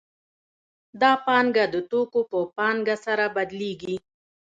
دا پانګه د توکو په پانګه سره بدلېږي